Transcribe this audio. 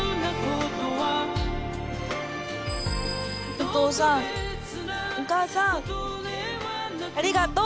お父さんお母さんありがとう！